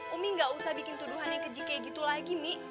umi gak usah bikin tuduhan yang keji kayak gitu lagi mik